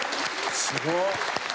すごっ！